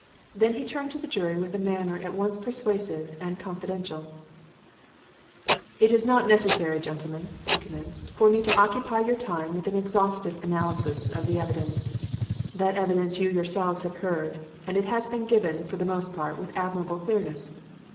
Then he turned to the jury with a manner at once persuasive and confidential "It is not necessary, gentlemen," he commenced, "for me to occupy your time with an exhaustive analysis of the evidence. That evidence you yourselves have heard, and it has been given, for the most part, with admirable clearness.